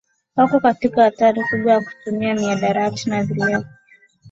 wako katika hatar kubwa ya kutumia mihadarati na vileo